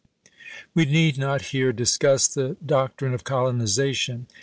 We need not here discuss the doc trine of colonization.